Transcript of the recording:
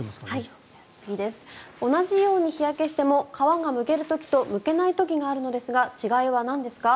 同じように日焼けしても皮がむける時とむけない時があるんですが違いは何ですか？